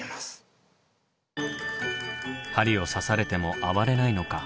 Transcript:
針を刺されても暴れないのか？